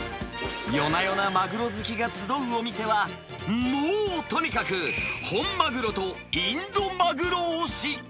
夜な夜なマグロ好きが集うお店は、もうとにかく、本マグロとインドマグロ推し。